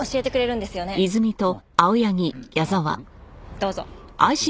どうぞ。